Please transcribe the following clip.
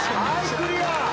クリア。